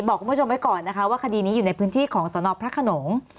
บอกคุณผู้ชมไว้ก่อนนะคะว่าคดีนี้อยู่ในพื้นที่ของสนพระขนง